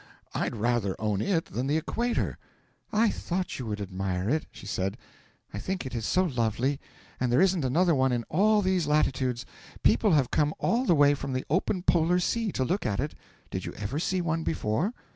I'd rather own it than the equator.' 'I thought you would admire it,' she said. 'I think it is so lovely. And there isn't another one in all these latitudes. People have come all the way from the open Polar Sea to look at it. Did you ever see one before?'